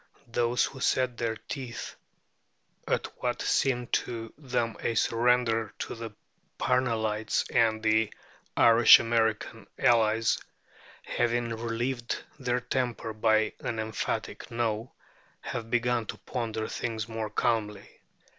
Those who set their teeth at what seemed to them a surrender to the Parnellites and their Irish American allies, having relieved their temper by an emphatic No, have begun to ponder things more calmly.